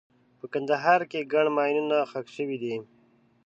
په کندهار کې ګڼ ماینونه ښخ شوي دي.